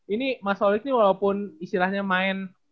ini mas holik ini walaupun istilahnya main